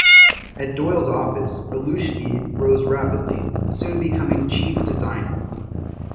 At Doyle's office, Belluschi rose rapidly, soon becoming chief designer.